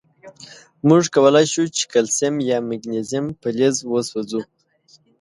مونږ کولای شو چې کلسیم یا مګنیزیم فلز وسوځوو.